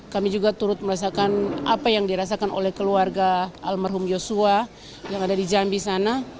kami juga turut merasakan apa yang dirasakan oleh keluarga almarhum yosua yang ada di jambi sana